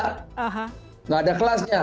tidak ada kelasnya